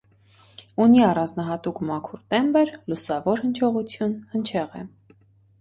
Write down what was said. Ունի առանձնահատուկ մաքուր տեմբր, լուսավոր հնչողություն, հնչեղ է։